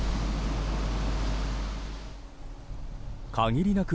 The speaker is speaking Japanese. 限りなく